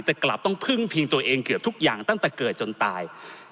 แต่กลับต้องพึ่งพิงตัวเองเกือบทุกอย่างตั้งแต่เกิดจนตาย